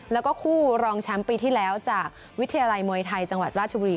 แล้วก็คู่รองแชมป์ปีที่แล้วจากวิทยาลัยมวยไทยจังหวัดราชบุรี